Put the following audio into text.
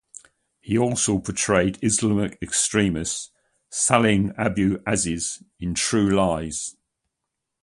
He also portrayed Islamic extremist Salim Abu Aziz in "True Lies".